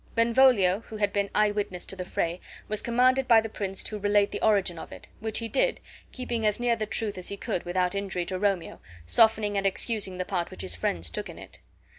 Benvolio, who had been eye witness to the fray, was commanded by the prince to relate the origin of it; which he did, keeping as near the truth as he could without injury to Romeo, softening and excusing the part which his friends took in it.